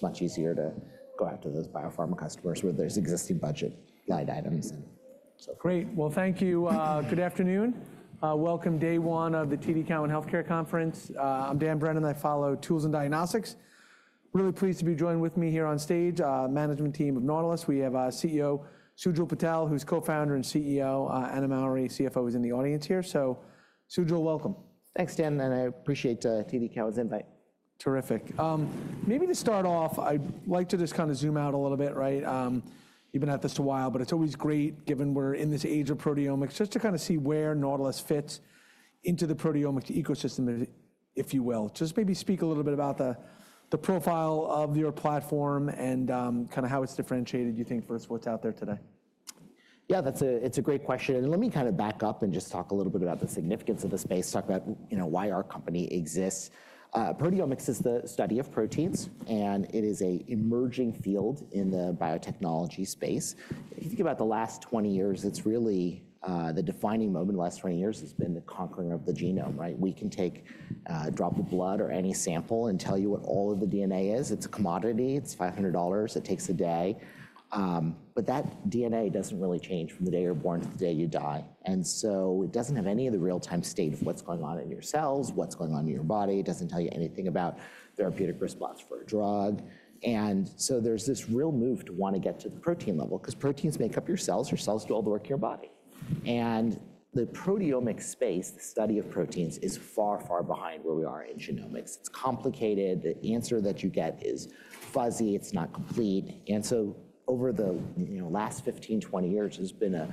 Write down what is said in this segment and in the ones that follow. Great. Thank you. Good afternoon. Welcome day one of the TD Cowen Healthcare Conference. I'm Dan Brennan, I follow tools and diagnostics. Really pleased to be joined with me here on stage, management team of Nautilus. We have CEO Sujal Patel, who's co-founder and CEO, Anna Mowry, CFO, who's in the audience here. Sujal, welcome. Thanks, Dan. I appreciate TD Cowen's invite. Terrific. Maybe to start off, I'd like to just kind of zoom out a little bit, right? You've been at this a while, but it's always great, given we're in this age of proteomics, just to kind of see where Nautilus fits into the proteomic ecosystem, if you will. Just maybe speak a little bit about the profile of your platform and kind of how it's differentiated, you think, versus what's out there today. Yeah, that's a great question. Let me kind of back up and just talk a little bit about the significance of the space, talk about why our company exists. Proteomics is the study of proteins, and it is an emerging field in the biotechnology space. If you think about the last 20 years, it's really the defining moment in the last 20 years has been the conquering of the genome, right? We can take a drop of blood or any sample and tell you what all of the DNA is. It's a commodity. It's $500. It takes a day. That DNA doesn't really change from the day you're born to the day you die. It doesn't have any of the real-time state of what's going on in your cells, what's going on in your body. It doesn't tell you anything about therapeutic response for a drug. There is this real move to want to get to the protein level because proteins make up your cells. Your cells do all the work in your body. The proteomic space, the study of proteins, is far, far behind where we are in genomics. It is complicated. The answer that you get is fuzzy, it is not complete. Over the last 15-20 years, there has been a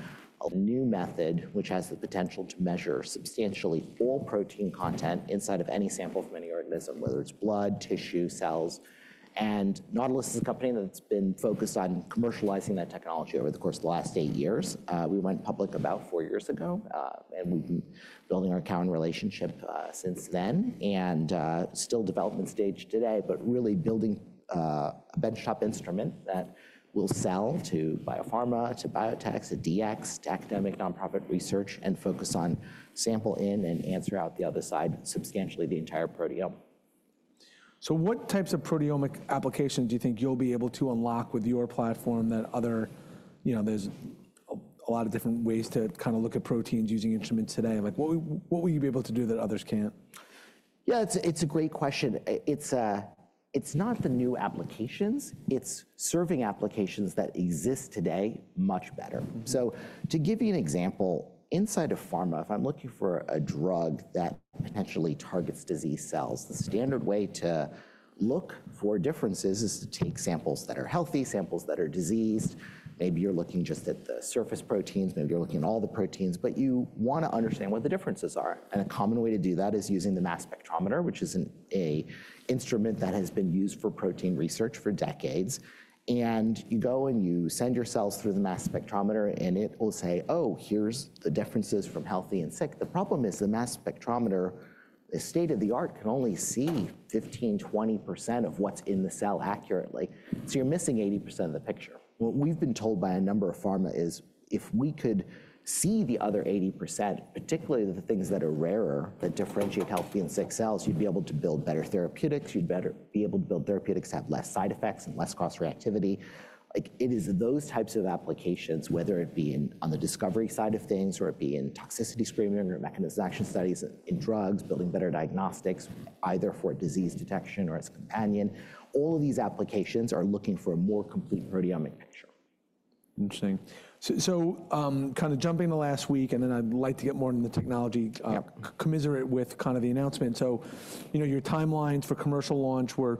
new method which has the potential to measure substantially all protein content inside of any sample from any organism, whether it is blood, tissue, cells. Nautilus is a company that has been focused on commercializing that technology over the course of the last eight years. We went public about four years ago, and we've been building our Cowen relationship since then and still development stage today, but really building a benchtop instrument that will sell to biopharma, to biotechs, to DX, to academic nonprofit research, and focus on sample in and answer out the other side substantially the entire proteome. What types of proteomic applications do you think you'll be able to unlock with your platform that other there's a lot of different ways to kind of look at proteins using instruments today. What will you be able to do that others can't? Yeah, it's a great question. It's not a new applications. It's serving applications that exist today much better. To give you an example, inside of pharma, if I'm looking for a drug that potentially targets disease cells, the standard way to look for differences is to take samples that are healthy, samples that are diseased, maybe you're looking just at the surface proteins, maybe you're looking at all the proteins. You want to understand what the differences are. A common way to do that is using the mass spectrometer, which is an instrument that has been used for protein research for decades. You go and you send your cells through the mass spectrometer, and it will say, oh, here's the differences from healthy and sick. The problem is the mass spectrometer, state of the art, can only see 15%-20% of what's in the cell accurately. You're missing 80% of the picture. What we've been told by a number of pharma is if we could see the other 80%, particularly the things that are rarer that differentiate healthy and sick cells, you'd be able to build better therapeutics. You'd be able to build therapeutics that have less side effects and less cross-reactivity. It is those types of applications, whether it be on the discovery side of things or it be in toxicity screening or mechanism of action studies in drugs, building better diagnostics, either for disease detection or as a companion. All of these applications are looking for a more complete proteomic picture. Interesting. Kind of jumping the last week, and then I'd like to get more into the technology commiserate with kind of the announcement. Your timelines for commercial launch were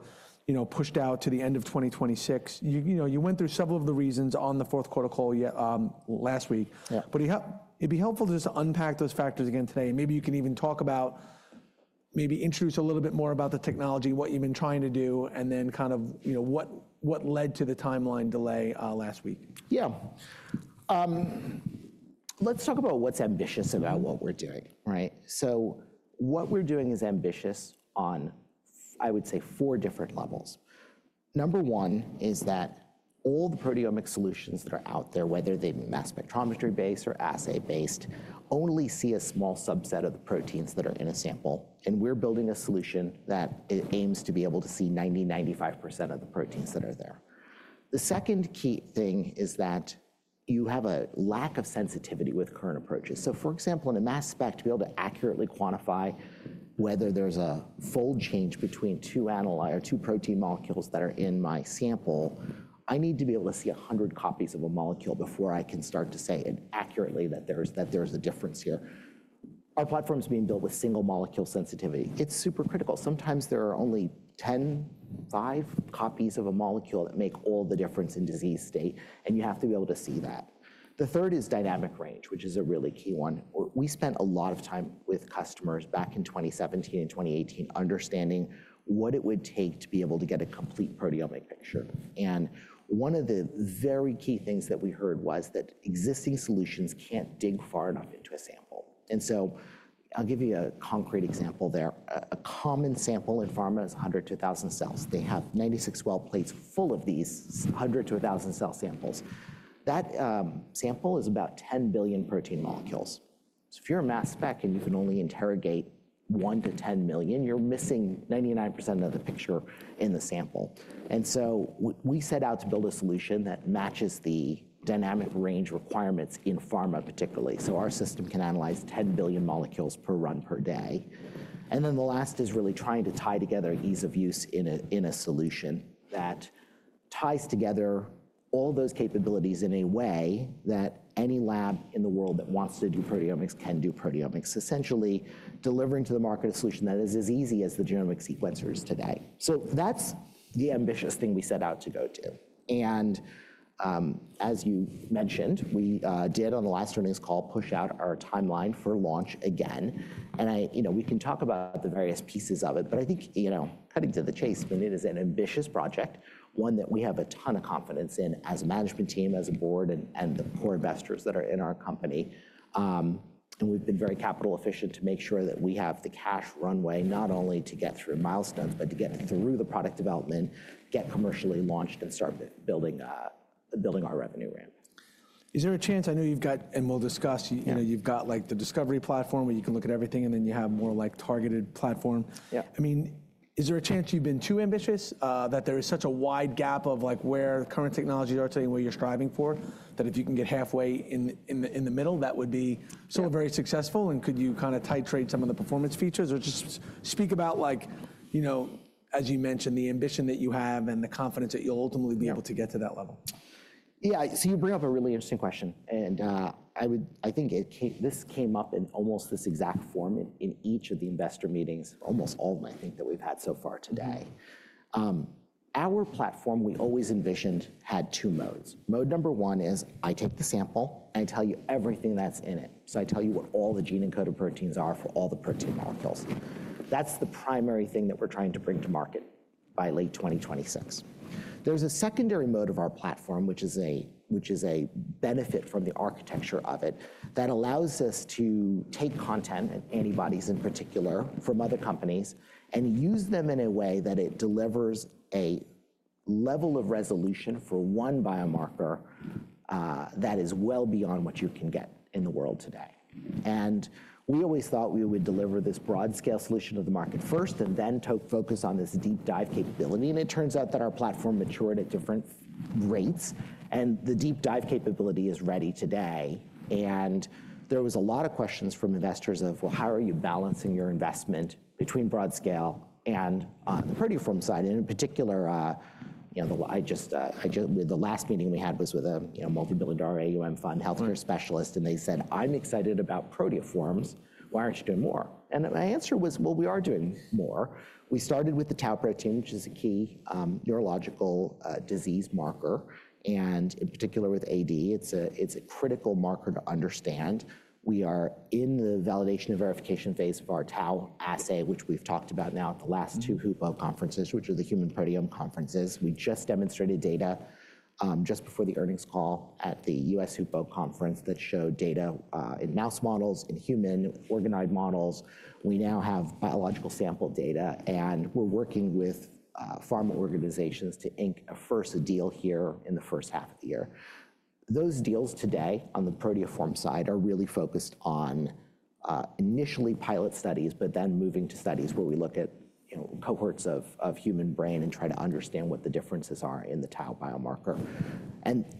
pushed out to the end of 2026. You went through several of the reasons on the Q4 call last week. It'd be helpful to just unpack those factors again today. Maybe you can even talk about, maybe introduce a little bit more about the technology, what you've been trying to do, and then kind of what led to the timeline delay last week. Yeah. Let's talk about what's ambitious about what we're doing, right? What we're doing is ambitious on, I would say, four different levels. Number one is that all the proteomic solutions that are out there, whether they're mass spectrometry-based or assay-based, only see a small subset of the proteins that are in a sample. We're building a solution that aims to be able to see 90%-95% of the proteins that are there. The second key thing is that you have a lack of sensitivity with current approaches. For example, in a mass spec, to be able to accurately quantify whether there's a fold change between two analy or two protein molecules that are in my sample, I need to be able to see 100 copies of a molecule before I can start to say accurately that there's a difference here. Our platform's being built with single molecule sensitivity. It's super critical. Sometimes there are only 10, five copies of a molecule that make all the difference in disease state, and you have to be able to see that. The third is dynamic range, which is a really key one. We spent a lot of time with customers back in 2017 and 2018 understanding what it would take to be able to get a complete proteomic picture. One of the very key things that we heard was that existing solutions can't dig far enough into a sample. I'll give you a concrete example there. A common sample in pharma is 100 cells-1,000 cells. They have 96 well plates full of these 100 cells-1,000 cell samples. That sample is about 10 billion protein molecules. If you're a mass spec and you can only interrogate one to 10 million, you're missing 99% of the picture in the sample. We set out to build a solution that matches the dynamic range requirements in pharma particularly. Our system can analyze 10 billion molecules per run per day. The last is really trying to tie together ease of use in a solution that ties together all those capabilities in a way that any lab in the world that wants to do proteomics can do proteomics, essentially delivering to the market a solution that is as easy as the genomic sequencers today. That's the ambitious thing we set out to go to. As you mentioned, we did on the last earnings call push out our timeline for launch again. We can talk about the various pieces of it, but I think cutting to the chase, it is an ambitious project, one that we have a ton of confidence in as a management team, as a board, and the core investors that are in our company. We have been very capital efficient to make sure that we have the cash runway not only to get through milestones, but to get through the product development, get commercially launched, and start building our revenue ramp. Is there a chance I know you've got, and we'll discuss, you've got the discovery platform where you can look at everything, and then you have more targeted platform. I mean, is there a chance you've been too ambitious that there is such a wide gap of where current technologies are to where you're striving for that if you can get halfway in the middle, that would be still very successful? Could you kind of titrate some of the performance features or just speak about, as you mentioned, the ambition that you have and the confidence that you'll ultimately be able to get to that level? Yeah. You bring up a really interesting question. I think this came up in almost this exact form in each of the investor meetings, almost all of them, I think, that we've had so far today. Our platform we always envisioned had two modes. Mode number one is I take the sample and I tell you everything that's in it. I tell you what all the gene-encoded proteins are for all the protein molecules. That's the primary thing that we're trying to bring to market by late 2026. There's a secondary mode of our platform, which is a benefit from the architecture of it, that allows us to take content and antibodies in particular from other companies and use them in a way that it delivers a level of resolution for one biomarker that is well beyond what you can get in the world today. We always thought we would deliver this broad-scale solution to the market first and then focus on this deep dive capability. It turns out that our platform matured at different rates. The deep dive capability is ready today. There were a lot of questions from investors of, well, how are you balancing your investment between broad-scale and the proteoform side? In particular, the last meeting we had was with a multi-billion-dollar AUM fund healthcare specialist, and they said, "I'm excited about proteoforms. Why aren't you doing more?" My answer was, well, we are doing more. We started with the Tau protein, which is a key neurological disease marker. In particular with AD, it's a critical marker to understand. We are in the validation and verification phase of our Tau assay, which we've talked about now at the last two HUPO conferences, which are the Human Proteome Organization conferences. We just demonstrated data just before the earnings call at the US HUPO conference that showed data in mouse models, in human organoid models. We now have biological sample data, and we're working with pharma organizations to ink first a deal here in the first half of the year. Those deals today on the proteoform side are really focused on initially pilot studies, but then moving to studies where we look at cohorts of human brain and try to understand what the differences are in the Tau biomarker.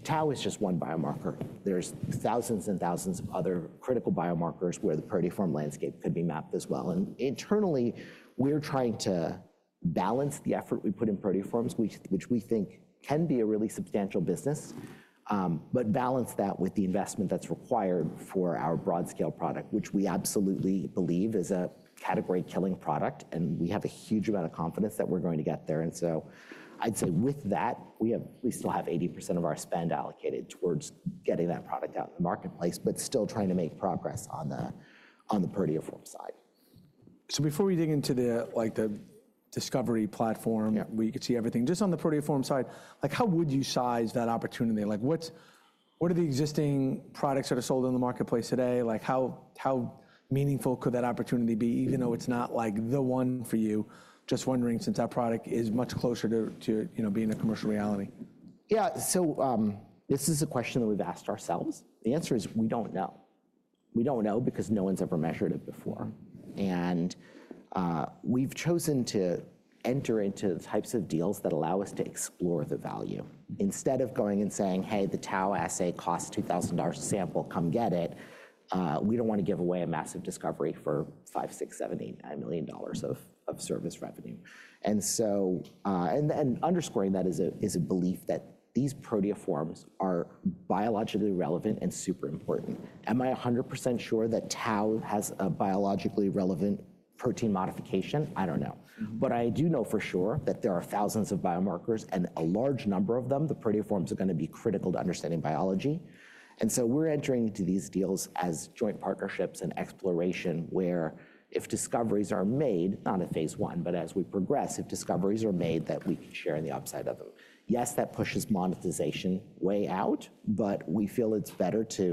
Tau is just one biomarker. There are thousands and thousands of other critical biomarkers where the proteoform landscape could be mapped as well. Internally, we're trying to balance the effort we put in proteoforms, which we think can be a really substantial business, but balance that with the investment that's required for our broad-scale product, which we absolutely believe is a category-killing product. We have a huge amount of confidence that we're going to get there. I'd say with that, we still have 80% of our spend allocated towards getting that product out in the marketplace, but still trying to make progress on the proteoform side. Before we dig into the discovery platform, where you could see everything just on the proteoform side, how would you size that opportunity? What are the existing products that are sold in the marketplace today? How meaningful could that opportunity be, even though it's not the one for you? Just wondering, since that product is much closer to being a commercial reality. Yeah. This is a question that we've asked ourselves. The answer is we don't know. We don't know because no one's ever measured it before. We've chosen to enter into the types of deals that allow us to explore the value. Instead of going and saying, "Hey, the Tau assay costs $2,000 a sample. Come get it," we don't want to give away a massive discovery for $5 million, $6 million, $7 million, $8 million of service revenue. Underscoring that is a belief that these proteoforms are biologically relevant and super important. Am I 100% sure that Tau has a biologically relevant protein modification? I don't know. But I do know for sure that there are thousands of biomarkers and a large number of them, the proteoforms are going to be critical to understanding biology. We're entering into these deals as joint partnerships and exploration where if discoveries are made, not at phase one, but as we progress, if discoveries are made that we can share on the upside of them. Yes, that pushes monetization way out, but we feel it's better to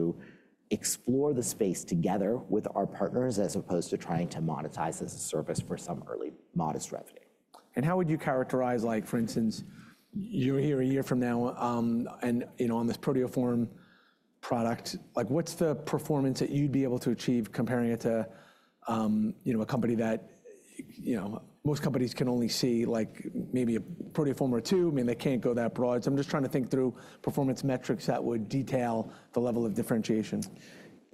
explore the space together with our partners as opposed to trying to monetize as a service for some early modest revenue. How would you characterize, for instance, you're here a year from now, and on this proteoform product, what's the performance that you'd be able to achieve comparing it to a company that most companies can only see maybe a proteoform or two? I mean, they can't go that broad. I'm just trying to think through performance metrics that would detail the level of differentiation.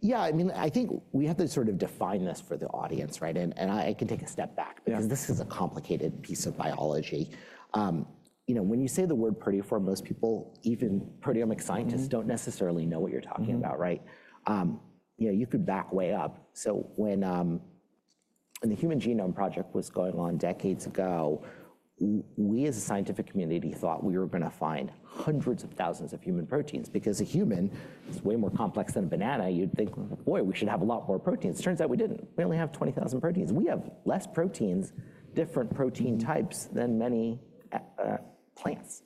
Yeah. I mean, I think we have to sort of define this for the audience, right? I can take a step back because this is a complicated piece of biology. When you say the word proteoform, most people, even proteomic scientists, don't necessarily know what you're talking about, right? You could back way up. When the human genome project was going on decades ago, we as a scientific community thought we were going to find hundreds of thousands of human proteins because a human is way more complex than a banana. You'd think, boy, we should have a lot more proteins. Turns out we didn't. We only have 20,000 proteins. We have less proteins, different protein types than many plants.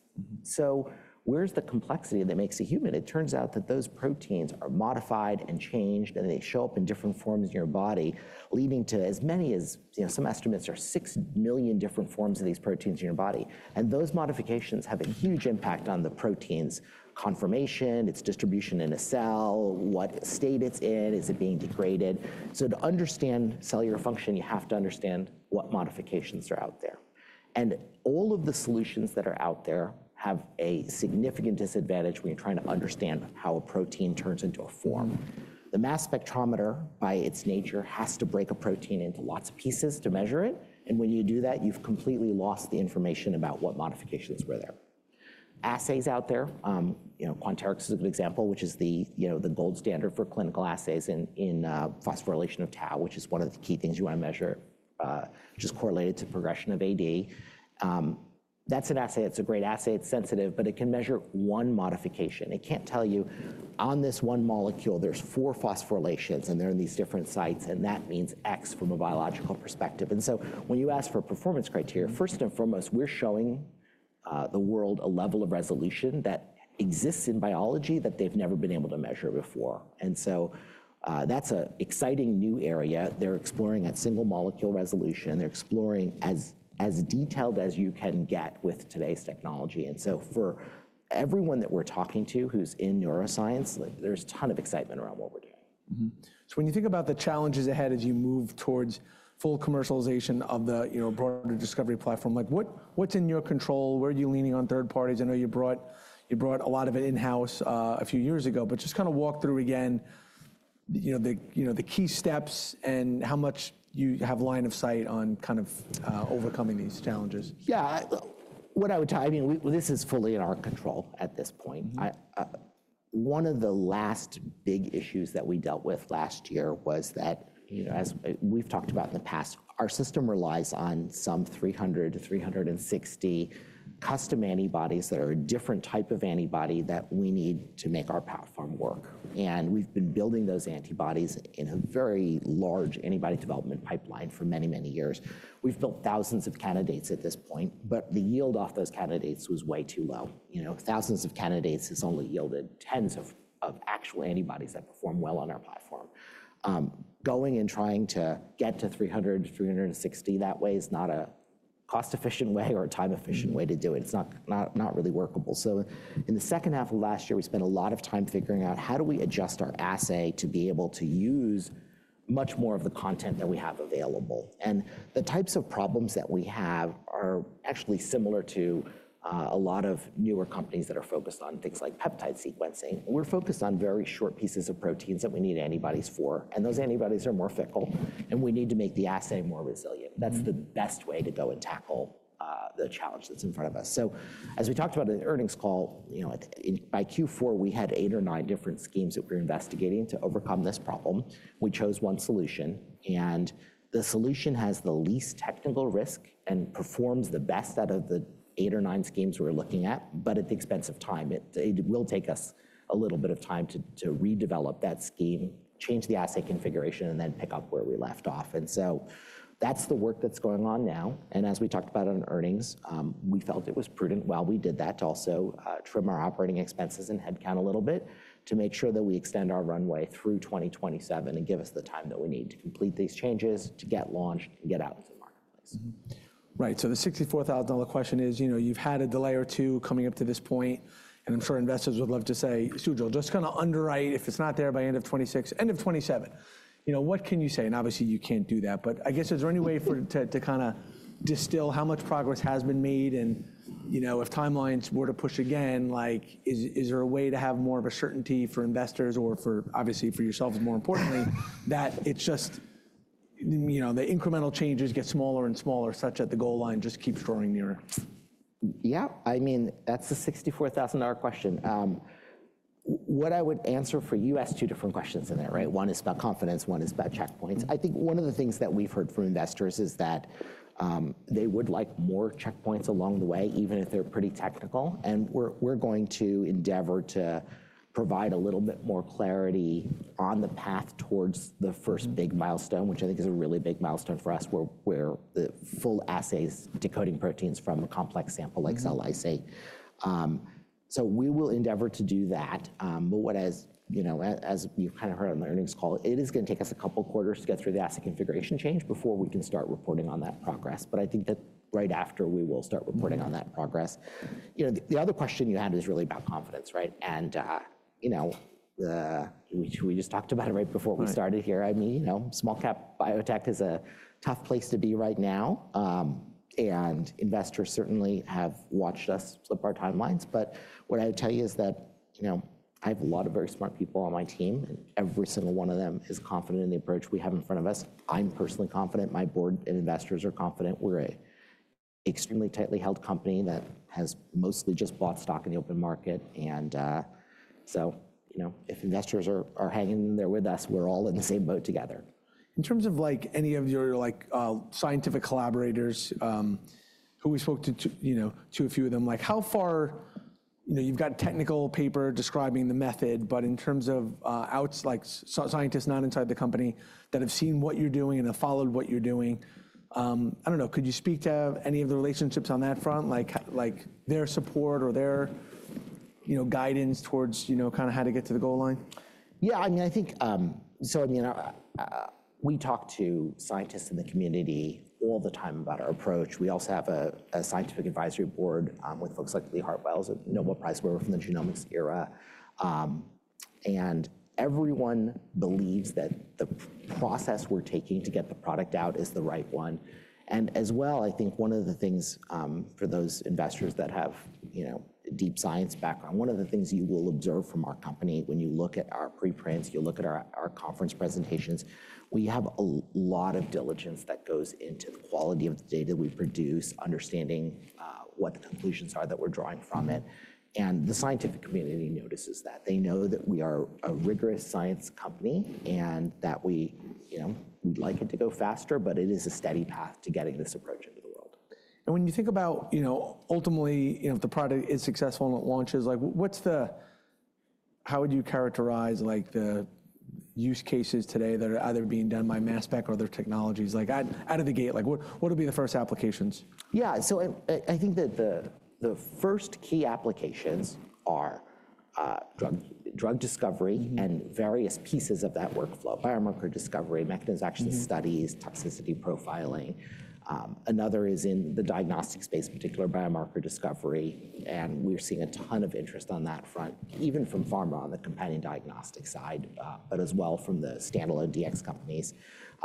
Where's the complexity that makes a human? It turns out that those proteins are modified and changed, and they show up in different forms in your body, leading to as many as some estimates are six million different forms of these proteins in your body. Those modifications have a huge impact on the protein's conformation, its distribution in a cell, what state it's in, is it being degraded. To understand cellular function, you have to understand what modifications are out there. All of the solutions that are out there have a significant disadvantage when you're trying to understand how a protein turns into a form. The mass spectrometer, by its nature, has to break a protein into lots of pieces to measure it. When you do that, you've completely lost the information about what modifications were there. Assays out there, Quanterix is a good example, which is the gold standard for clinical assays in phosphorylation of Tau, which is one of the key things you want to measure, which is correlated to progression of AD. That's an assay. It's a great assay. It's sensitive, but it can measure one modification. It can't tell you on this one molecule, there's four phosphorylations, and they're in these different sites, and that means X from a biological perspective. When you ask for performance criteria, first and foremost, we're showing the world a level of resolution that exists in biology that they've never been able to measure before. That's an exciting new area, they're exploring at single molecule resolution, they're exploring as detailed as you can get with today's technology. For everyone that we're talking to who's in neuroscience, there's a ton of excitement around what we're doing. When you think about the challenges ahead as you move towards full commercialization of the broader discovery platform, what's in your control? Where are you leaning on third parties? I know you brought a lot of it in-house a few years ago, but just kind of walk through again the key steps and how much you have line of sight on kind of overcoming these challenges. Yeah. What I would tell you, this is fully in our control at this point. One of the last big issues that we dealt with last year was that, as we've talked about in the past, our system relies on some 300-360 custom antibodies that are a different type of antibody that we need to make our platform work. We've been building those antibodies in a very large antibody development pipeline for many, many years. We've built thousands of candidates at this point, but the yield off those candidates was way too low. Thousands of candidates has only yielded tens of actual antibodies that perform well on our platform. Going and trying to get to 300-360 that way is not a cost-efficient way or a time-efficient way to do it. It's not really workable. In the second half of last year, we spent a lot of time figuring out how do we adjust our assay to be able to use much more of the content that we have available. The types of problems that we have are actually similar to a lot of newer companies that are focused on things like peptide sequencing. We're focused on very short pieces of proteins that we need antibodies for, and those antibodies are more fickle, and we need to make the assay more resilient. That's the best way to go and tackle the challenge that's in front of us. As we talked about in the earnings call, by Q4, we had eight or nine different schemes that we're investigating to overcome this problem. We chose one solution, and the solution has the least technical risk and performs the best out of the eight or nine schemes we're looking at, but at the expense of time. It will take us a little bit of time to redevelop that scheme, change the assay configuration, and then pick up where we left off. That is the work that is going on now. As we talked about in earnings, we felt it was prudent. We did that to also trim our operating expenses and headcount a little bit to make sure that we extend our runway through 2027 and give us the time that we need to complete these changes to get launched and get out into the marketplace. Right. The $64,000 question is you've had a delay or two coming up to this point, and I'm sure investors would love to say, "Sujal, just kind of underwrite if it's not there by end of 2026, end of 2027." What can you say? Obviously, you can't do that. I guess, is there any way to kind of distill how much progress has been made? If timelines were to push again, is there a way to have more of a certainty for investors or, obviously, for yourself, more importantly, that it's just the incremental changes get smaller and smaller such that the goal line just keeps drawing nearer? Yeah. I mean, that's the $64,000 question. What I would answer for you asked two different questions in there, right? One is about confidence. One is about checkpoints. I think one of the things that we've heard from investors is that they would like more checkpoints along the way, even if they're pretty technical. We're going to endeavor to provide a little bit more clarity on the path towards the first big milestone, which I think is a really big milestone for us, where the full assay is decoding proteins from a complex sample like cell lysate. We will endeavor to do that. As you kind of heard on the earnings call, it is going to take us a couple of quarters to get through the assay configuration change before we can start reporting on that progress. I think that right after, we will start reporting on that progress. The other question you had is really about confidence, right? I mean, small-cap biotech is a tough place to be right now. Investors certainly have watched us flip our timelines. What I would tell you is that I have a lot of very smart people on my team, and every single one of them is confident in the approach we have in front of us. I'm personally confident. My board and investors are confident. We're an extremely tightly held company that has mostly just bought stock in the open market. If investors are hanging in there with us, we're all in the same boat together. In terms of any of your scientific collaborators, who we spoke to, two or few of them, how far you've got technical paper describing the method, but in terms of scientists not inside the company that have seen what you're doing and have followed what you're doing, I don't know, could you speak to any of the relationships on that front, their support or their guidance towards kind of how to get to the goal line? Yeah. I mean, I think, so I mean, we talk to scientists in the community all the time about our approach. We also have a scientific advisory board with folks like Lee Hartwell, Nobel Prize winner from the genomics era. Everyone believes that the process we're taking to get the product out is the right one. As well, I think one of the things for those investors that have deep science background, one of the things you will observe from our company, when you look at our preprints, you look at our conference presentations, we have a lot of diligence that goes into the quality of the data we produce, understanding what the conclusions are that we're drawing from it. The scientific community notices that. They know that we are a rigorous science company and that we'd like it to go faster, but it is a steady path to getting this approach into the world. When you think about ultimately, if the product is successful and it launches, how would you characterize the use cases today that are either being done by mass spec or other technologies? Out of the gate, what would be the first applications? Yeah. I think that the first key applications are drug discovery and various pieces of that workflow. Biomarker discovery, mechanisms of action studies, toxicity profiling. Another is in the diagnostic space, particular biomarker discovery. We're seeing a ton of interest on that front, even from pharma on the companion diagnostic side, as well from the standalone DX companies.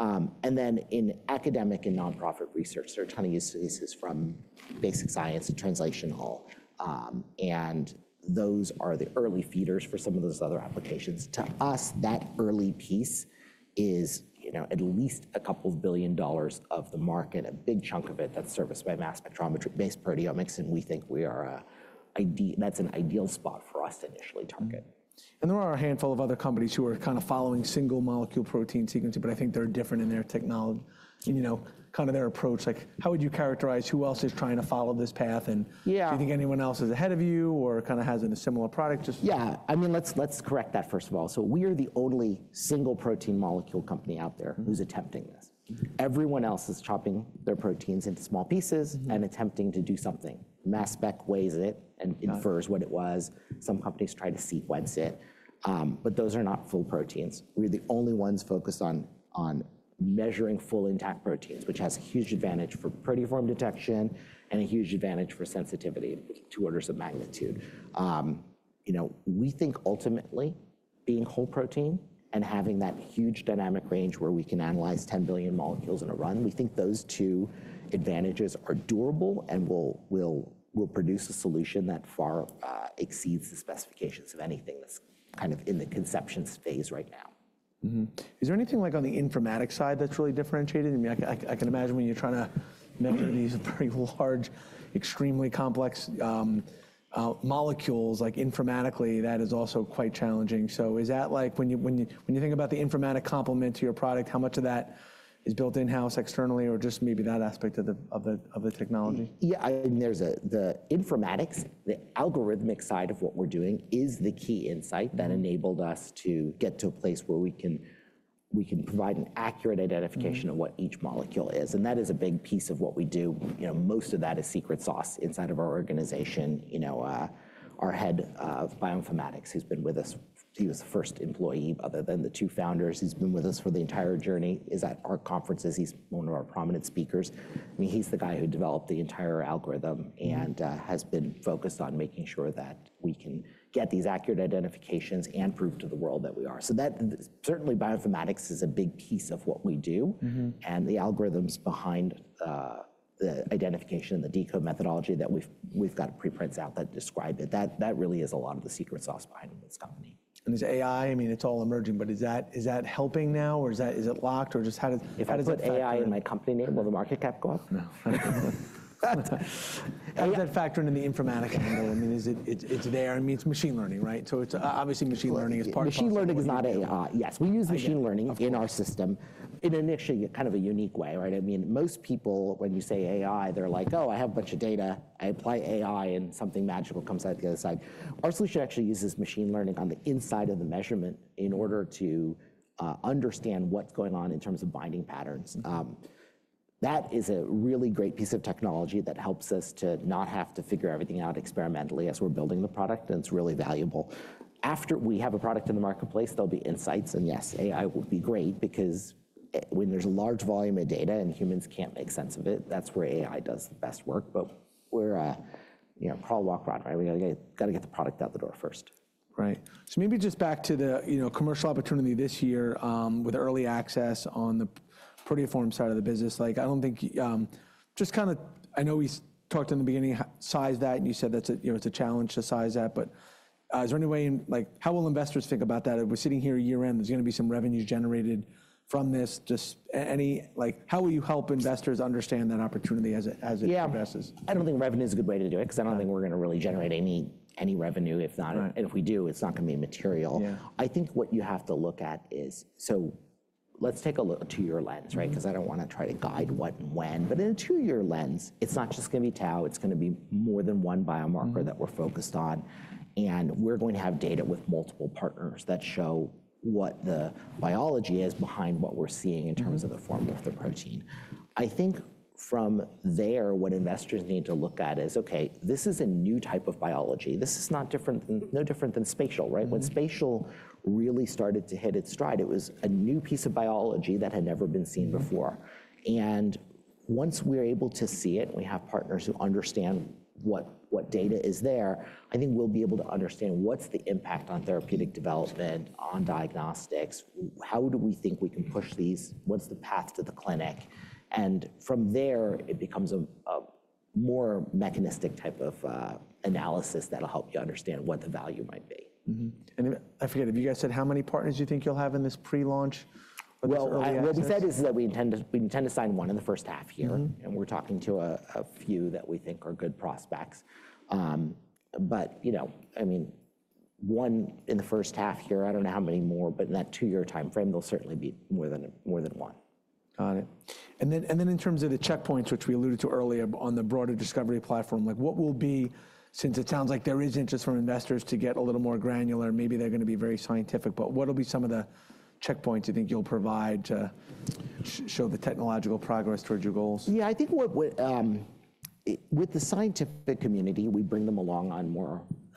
In academic and nonprofit research, there are a ton of use cases from basic science to translational. Those are the early feeders for some of those other applications. To us, that early piece is at least a couple of billion dollars of the market, a big chunk of it that's serviced by mass spectrometry-based proteomics. We think that's an ideal spot for us to initially target. There are a handful of other companies who are kind of following single molecule protein sequencing, but I think they're different in their technology, kind of their approach. How would you characterize who else is trying to follow this path? Do you think anyone else is ahead of you or kind of has a similar product? Yeah. I mean, let's correct that first of all. We are the only single protein molecule company out there who's attempting this. Everyone else is chopping their proteins into small pieces and attempting to do something. Mass spec weighs it and infers what it was. Some companies try to sequence it, but those are not full proteins. We're the only ones focused on measuring full intact proteins, which has a huge advantage for proteoform detection and a huge advantage for sensitivity to orders of magnitude. We think ultimately being whole protein and having that huge dynamic range where we can analyze 10 billion molecules in a run, we think those two advantages are durable and will produce a solution that far exceeds the specifications of anything that's kind of in the conception phase right now. Is there anything on the informatics side that's really differentiated? I mean, I can imagine when you're trying to measure these very large, extremely complex molecules, like informatically, that is also quite challenging. Is that like when you think about the informatic complement to your product, how much of that is built in-house, externally, or just maybe that aspect of the technology? Yeah. I mean, the informatics, the algorithmic side of what we're doing is the key insight that enabled us to get to a place where we can provide an accurate identification of what each molecule is. That is a big piece of what we do. Most of that is secret sauce inside of our organization. Our head of bioinformatics, who's been with us, he was the first employee other than the two founders who's been with us for the entire journey, is at our conferences. He's one of our prominent speakers. I mean, he's the guy who developed the entire algorithm and has been focused on making sure that we can get these accurate identifications and prove to the world that we are. Certainly, bioinformatics is a big piece of what we do. The algorithms behind the identification and the decode methodology that we've got preprints out that describe it, that really is a lot of the secret sauce behind this company. Is AI, I mean, it's all emerging, but is that helping now, or is it locked, or just how does it? If I put AI in my company name, will the market cap go up? No. How does that factor into the informatics? I mean, it's there. I mean, it's machine learning, right? So obviously, machine learning is part of the process. Machine learning is not AI. Yes, we use machine learning in our system in an initially kind of a unique way, right? I mean, most people, when you say AI, they're like, "Oh, I have a bunch of data. I apply AI, and something magical comes out the other side." Our solution actually uses machine learning on the inside of the measurement in order to understand what's going on in terms of binding patterns. That is a really great piece of technology that helps us to not have to figure everything out experimentally as we're building the product, and it's really valuable. After we have a product in the marketplace, there'll be insights. Yes, AI will be great because when there's a large volume of data and humans can't make sense of it, that's where AI does the best work. We're a crawl, walk, run, right? We got to get the product out the door first. Right. Maybe just back to the commercial opportunity this year with early access on the proteoform side of the business. I do not think just kind of, I know we talked in the beginning, size that, and you said it is a challenge to size that. Is there any way in how will investors think about that? We are sitting here year-end. There is going to be some revenues generated from this. How will you help investors understand that opportunity as it progresses? Yeah. I don't think revenue is a good way to do it because I don't think we're going to really generate any revenue. If not, and if we do, it's not going to be material. I think what you have to look at is, take a look at two-year lens, right? Because I don't want to try to guide what and when. In a two-year lens, it's not just going to be Tau. It's going to be more than one biomarker that we're focused on. We're going to have data with multiple partners that show what the biology is behind what we're seeing in terms of the form of the protein. I think from there, what investors need to look at is, okay, this is a new type of biology. This is no different than spatial, right? When spatial really started to hit its stride, it was a new piece of biology that had never been seen before. Once we're able to see it and we have partners who understand what data is there, I think we'll be able to understand what's the impact on therapeutic development, on diagnostics, how do we think we can push these, what's the path to the clinic. From there, it becomes a more mechanistic type of analysis that'll help you understand what the value might be. I forget, have you guys said how many partners you think you'll have in this pre-launch? What we said is that we intend to sign one in the first half year. And we're talking to a few that we think are good prospects. I mean, one in the first half year, I don't know how many more, but in that two-year time frame, there'll certainly be more than one. Got it. In terms of the checkpoints, which we alluded to earlier on the broader discovery platform, what will be, since it sounds like there is interest from investors to get a little more granular, maybe they're going to be very scientific, but what will be some of the checkpoints you think you'll provide to show the technological progress towards your goals? Yeah. I think with the scientific community, we bring them along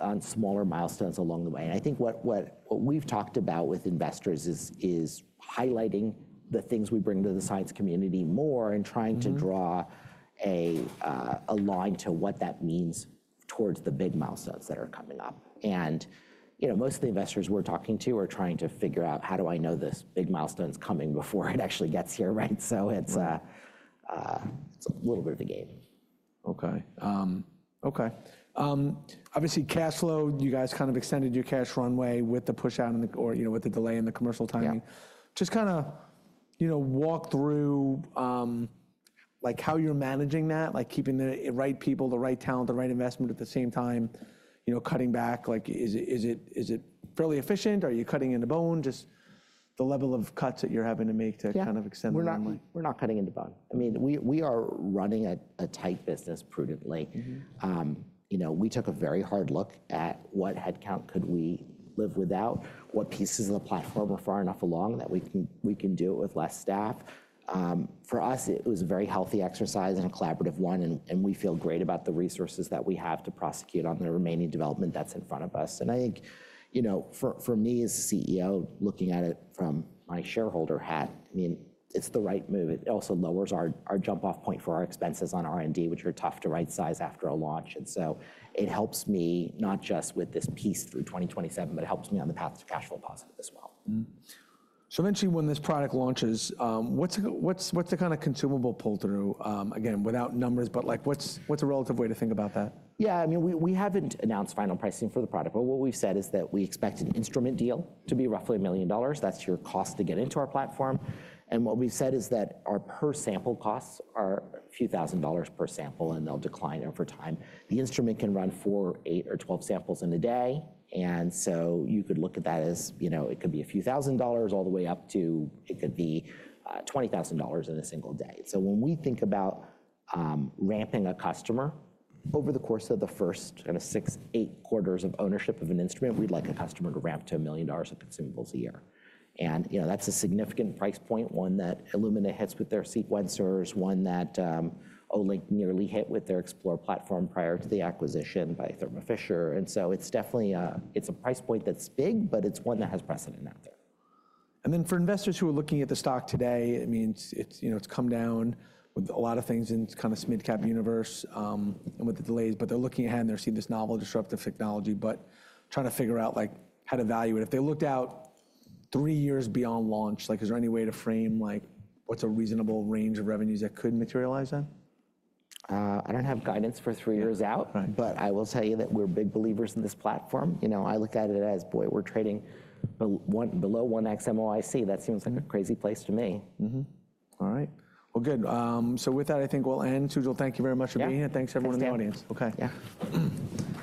on smaller milestones along the way. I think what we've talked about with investors is highlighting the things we bring to the science community more and trying to draw a line to what that means towards the big milestones that are coming up. Most of the investors we're talking to are trying to figure out, how do I know this big milestone's coming before it actually gets here, right? It's a little bit of a game. Okay. Okay. Obviously, cash flow, you guys kind of extended your cash runway with the push out or with the delay in the commercial timing. Just kind of walk through how you're managing that, keeping the right people, the right talent, the right investment at the same time, cutting back. Is it fairly efficient? Are you cutting into bone? Just the level of cuts that you're having to make to kind of extend the runway. We're not cutting into bone. I mean, we are running a tight business prudently. We took a very hard look at what headcount could we live without, what pieces of the platform are far enough along that we can do it with less staff. For us, it was a very healthy exercise and a collaborative one. We feel great about the resources that we have to prosecute on the remaining development that's in front of us. I think for me as a CEO, looking at it from my shareholder hat, I mean, it's the right move. It also lowers our jump-off point for our expenses on R&D, which are tough to right-size after a launch. It helps me not just with this piece through 2027, but it helps me on the path to cash flow positive as well. Eventually, when this product launches, what's the kind of consumable pull-through? Again, without numbers, but what's a relative way to think about that? Yeah. I mean, we haven't announced final pricing for the product, but what we've said is that we expect an instrument deal to be roughly a million dollars. That's your cost to get into our platform. And what we've said is that our per-sample costs are a few thousand dollars per sample, and they'll decline over time. The instrument can run four, eight, or twelve samples in a day. You could look at that as it could be a few thousand dollars all the way up to it could be $20,000 in a single day. When we think about ramping a customer over the course of the first kind of six, eight quarters of ownership of an instrument, we'd like a customer to ramp to a million dollars of consumables a year. That's a significant price point, one that Illumina hits with their sequencers, one that Olink nearly hit with their Explore platform prior to the acquisition by Thermo Fisher. It's definitely a price point that's big, but it's one that has precedent out there. For investors who are looking at the stock today, I mean, it's come down with a lot of things in kind of mid-cap universe and with the delays, but they're looking ahead and they're seeing this novel disruptive technology, but trying to figure out how to value it. If they looked out three years beyond launch, is there any way to frame what's a reasonable range of revenues that could materialize then? I don't have guidance for three years out, but I will tell you that we're big believers in this platform. I look at it as, boy, we're trading below 1x MOIC. That seems like a crazy place to me. All right. Good. With that, I think we'll end. Sujal, thank you very much for being here. Thanks to everyone in the audience. Thank you.